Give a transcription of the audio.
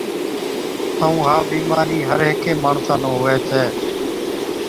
ائُون ها بِيمارِي هر هيڪي ماڻسا نُون هُوَي ڇَي۔